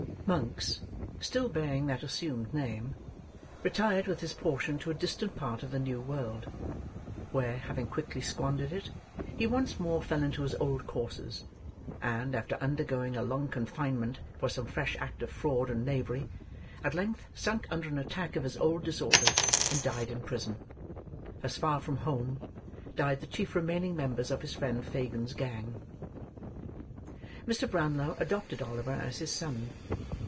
Monks, still bearing that assumed name, retired with his portion to a distant part of the New World; where, having quickly squandered it, he once more fell into his old courses, and, after undergoing a long confinement for some fresh act of fraud and knavery, at length sunk under an attack of his old disorder, and died in prison. As far from home, died the chief remaining members of his friend Fagin's gang. Mr. Brownlow adopted Oliver as his son.